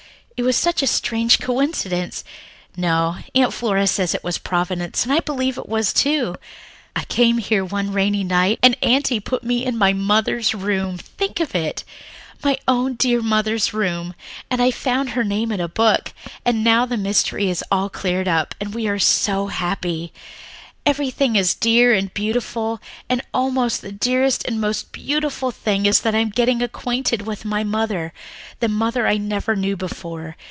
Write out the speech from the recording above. "It was such a strange coincidence, no, Aunt Flora says it was Providence, and I believe it was, too. I came here one rainy night, and Aunty put me in my mother's room, think of it! My own dear mother's room, and I found her name in a book. And now the mystery is all cleared up, and we are so happy. "Everything is dear and beautiful, and almost the dearest and most beautiful thing is that I am getting acquainted with my mother, the mother I never knew before.